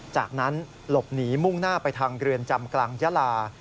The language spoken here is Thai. จากนั้นหลบหนีมุ่งหน้าไปทางเรือนจำกลางยาลา